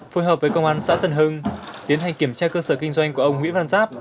phối hợp với công an xã tân hưng tiến hành kiểm tra cơ sở kinh doanh của ông nguyễn văn giáp